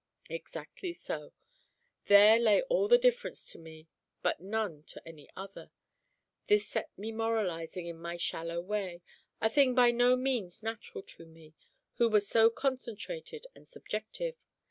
Exactly so. There lay all the difference to me, but none to any other. This set me moralising in my shallow way, a thing by no means natural to me, who was so concentrated and subjective.